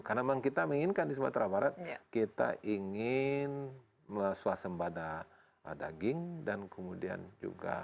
karena memang kita menginginkan di sumatera barat kita ingin suasembada daging dan kemudian juga